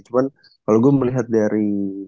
cuman kalau gue melihat dari